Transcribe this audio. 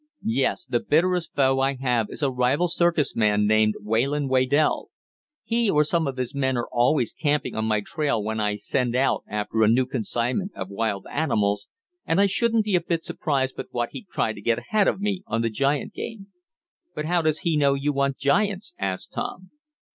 "Yes, the bitterest foe I have is a rival circus man named Wayland Waydell. He, or some of his men, are always camping on my trail when I send out after a new consignment of wild animals, and I shouldn't be a bit surprised but what he'd try to get ahead of me on the giant game." "But how does he know you want giants?" asked Tom.